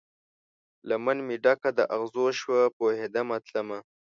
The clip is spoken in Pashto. لمن مې ډکه د اغزو شوه، پوهیدمه تلمه